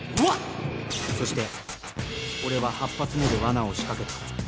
そして俺は８発目でわなを仕掛けた。